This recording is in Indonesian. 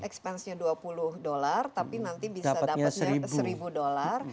expense nya dua puluh dolar tapi nanti bisa dapat seribu dolar